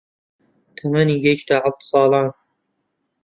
تەمەنی گەیشتە حەوت ساڵان